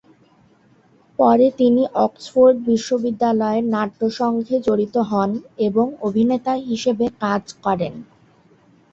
পরে তিনি অক্সফোর্ড বিশ্ববিদ্যালয়ের নাট্য সংঘে জড়িত হন এবং অভিনেতা হিসেবে কাজ করেন।